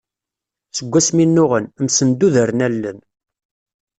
Seg asmi nnuɣen, msendudren allen.